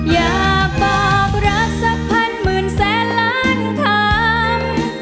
อยากบอกรักสัมผัสหมื่นแสนล้านครั้ง